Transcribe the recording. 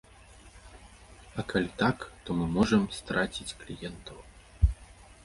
А калі так, то мы можам страціць кліентаў.